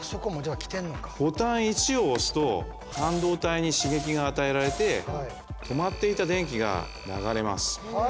ボタン１を押すと半導体に刺激が与えられて止まっていた電気が流れます